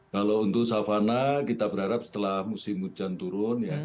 kalau untuk savana kita berharap setelah musim hujan turun ya